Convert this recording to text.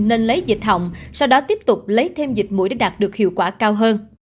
nên lấy dịch hỏng sau đó tiếp tục lấy thêm dịch mũi để đạt được hiệu quả cao hơn